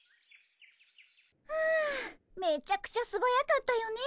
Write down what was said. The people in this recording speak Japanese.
はあめちゃくちゃすばやかったよね